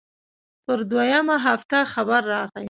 پر دويمه هفته خبر راغى.